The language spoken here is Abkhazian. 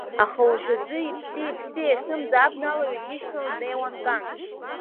Аха уажәазы иԥси-иԥси еихьымӡа абналаҩы дишьҭаланы днеиуан Кан.